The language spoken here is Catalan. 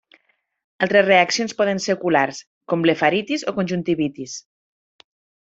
Altres reaccions poden ser oculars com blefaritis o conjuntivitis.